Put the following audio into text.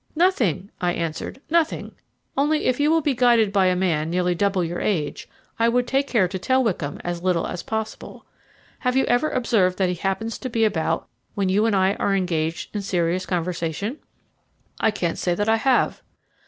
"Nothing," I answered, "nothing; only if you will be guided by a man nearly double your age, I would take care to tell Wickham as little as possible. Have you ever observed that he happens to be about when you and I are engaged in serious conversation?" "I can't say that I have."